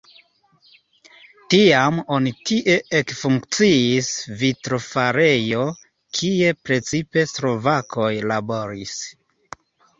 Tiam oni tie ekfunkciis vitrofarejo, kie precipe slovakoj laboris.